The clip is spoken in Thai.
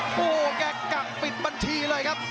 โอ้โหแกกักปิดบัญชีเลยครับ